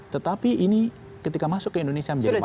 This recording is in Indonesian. tetapi ini ketika masuk ke indonesia menjadi emas